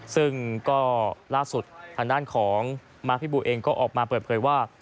ซึ่งก็ล่าสุดทางด้านของมาพิบูเองก็ออกมาเปิดเผยว่า